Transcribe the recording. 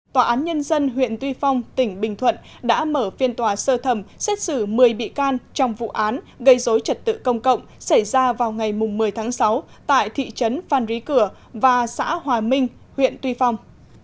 tòa án nhân dân huyện tuy phong tỉnh bình thuận đã mở phiên tòa sơ thẩm xét xử một mươi bị can trong vụ án gây dối trật tự công cộng xảy ra vào ngày một mươi tháng sáu tại thị trấn phan rí cửa và xã hòa minh huyện tuy phong